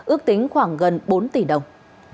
ước tính khoảng gần bốn tỷ đồng